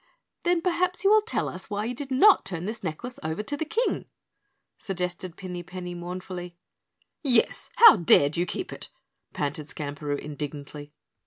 "Then perhaps you will tell us why you did not turn this necklace over to the King?" suggested Pinny Penny mournfully. "Yes, how dared you keep it?" panted Skamperoo indignantly.